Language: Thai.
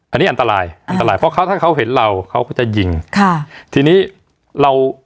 อันนี้อันตรายอันตรายเพราะเขาถ้าเขาเห็นเราเขาก็จะยิงค่ะทีนี้เรา